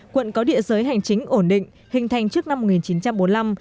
quận có địa giới hành chính ổn định hình thành trước năm một nghìn chín trăm bốn mươi năm